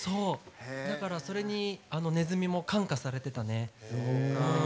だから、それにねずみも感化されてたね。